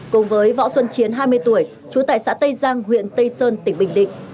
cùng với võ xuân chiến hai mươi tuổi trú tại xã tây giang huyện tây sơn tỉnh bình định